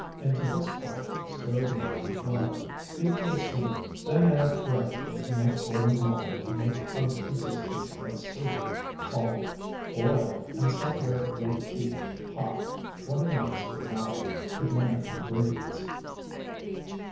Into this pulp stir the browned flour. Beat till smooth, then add gradually enough boiling water to make of consistency of soup; salt, boil, and set where it will keep hot twenty minutes to an hour, to blend ingredients.